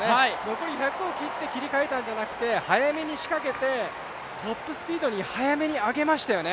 残り１００を切って仕掛けたんじゃなくて速めに仕掛けて、トップスピードに速めに上げましたよね。